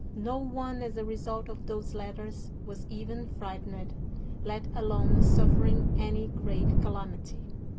No one as a result of thofle letters was even frightened, let alone suffering any great calamity.